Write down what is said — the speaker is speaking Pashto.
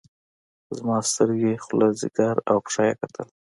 زما سترګې خوله ځيګر او پښه يې کتل.